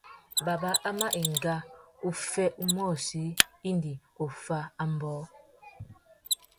Baba a mà enga uffê umôchï indi offa ambōh.